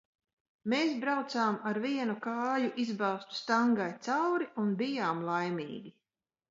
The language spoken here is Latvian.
Mēs braucām ar vienu kāju izbāztu stangai cauri un bijām laimīgi.